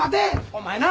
お前な！